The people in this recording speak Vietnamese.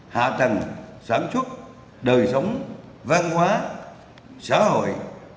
hạ tầng sản xuất đời sống văn hóa xã hội